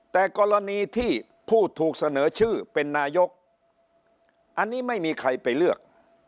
แต่กรณีที่ผู้ถูกเสนอชื่อเป็นนายกอันนี้ไม่มีใครไปเลือก